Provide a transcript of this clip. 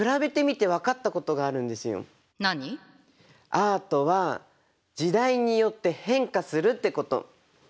「アートは時代によって変化する」ってこと。